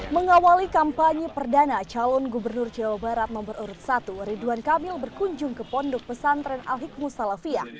mengawali kampanye perdana calon gubernur jawa barat nomor urut satu ridwan kamil berkunjung ke pondok pesantren al hikmu salafiyah